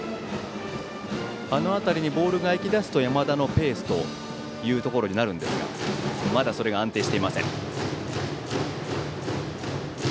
あの辺りにボールが行きだすと山田のペースになるんですがまだそれが安定していません。